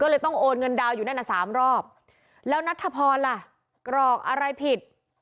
ก็เลยต้องโอนเงินดาวอยู่นั่นน่ะสามรอบแล้วนัทธพรล่ะกรอกอะไรผิด